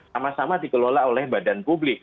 sama sama dikelola oleh badan publik